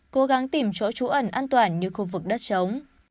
cố gắng tìm chỗ chú ẩn an toàn như khu vực đất trống